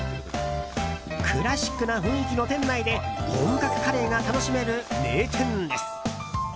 クラシックな雰囲気の店内で本格カレーが楽しめる名店です。